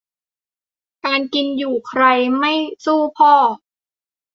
การกินการอยู่ ใครไม่สู้พ่อ